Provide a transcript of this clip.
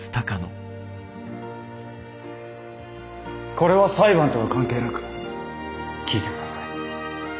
これは裁判とは関係なく聞いてください。